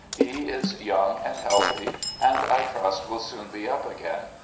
He is yovmg and healthy, and I trust will soon be up again.